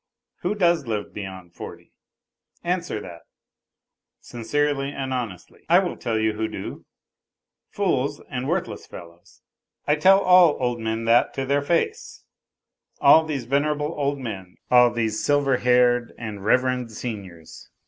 Who does live beyond forty? Answer that, sincerely and honestly. I will tell you who do : fools and worthless fellows. I tell all old men that to their face, all these venerable old men, all these silver haired and reverend seniors